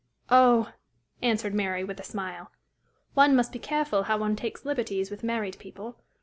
"Oh!" answered Mary, with a smile, "one must be careful how one takes liberties with married people.